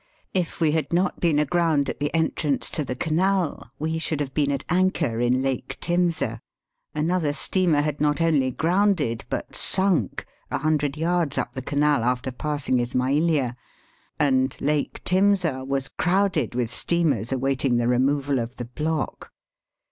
K we had not been aground at the entrance to the Canal we should have been at anchor in Lake Trtnseh, Another steamer had not only grounded, but sunk, a hundred yards up the Canal after passing Ismailia, and Lake Timseh was crowded with steamers awaiting the removal yoL. ir. 42 Digitized by VjOOQIC 354 EAST BY WEST. of the block.